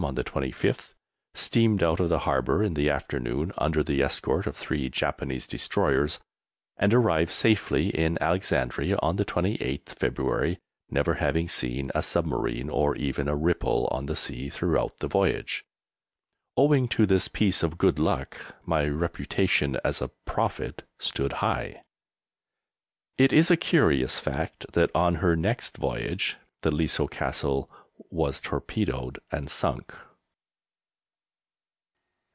on the 25th, steamed out of the harbour in the afternoon, under the escort of three Japanese destroyers, and arrived safely in Alexandria on the 28th February, never having seen a submarine or even a ripple on the sea throughout the voyage. Owing to this piece of good luck my reputation as a prophet stood high! It is a curious fact that on her next voyage the Leasoe Castle was torpedoed and sunk.